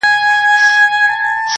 له دې مقامه دا دوه مخي په شړلو ارزي-